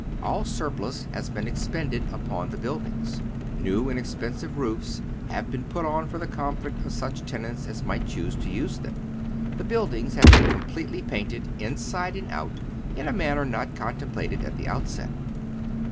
All surplus has been expended upon the build ings. New and expensive roofs have been put on for the comfort of such tenants as might choose to use them. The buildings have been completely painted inside and out in a manner not contemplated at the ontset.